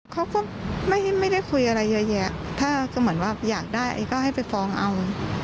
เขาก็ไม่ได้คุยอะไรเยอะแยะถ้าก็เหมือนว่าอยากได้ไอ้ก็ให้ไปฟ้องเอา